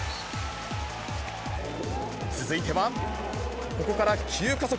続いては、ここから急加速。